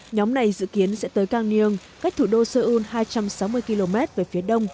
nhóm này dự kiến sẽ tới kangnyeong cách thủ đô seoul hai trăm sáu mươi km về phía đông